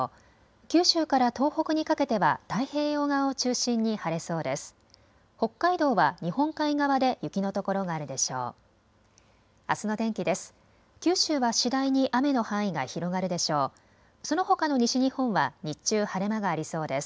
九州から東北にかけては太平洋側を中心に晴れそうです。